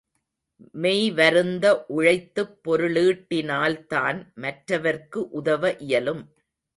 மெய்வருந்த உழைத்துப் பொருளீட்டினால் தான் மற்றவர்க்கு உதவ இயலும்.